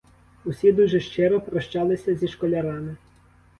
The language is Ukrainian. Усі дуже щиро прощалися зі школярами.